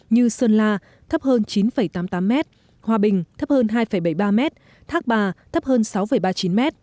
như sơn la thấp hơn chín tám mươi tám m hòa bình thấp hơn hai bảy mươi ba m thác bà thấp hơn sáu ba mươi chín m